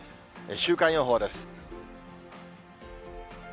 週間予報です。